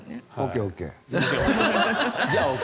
ＯＫ、ＯＫ。